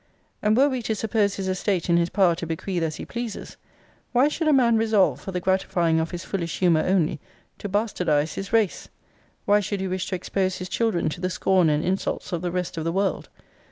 And were we to suppose his estate in his power to bequeath as he pleases; why should a man resolve, for the gratifying of his foolish humour only, to bastardize his race? Why should he wish to expose his children to the scorn and insults of the rest of the world?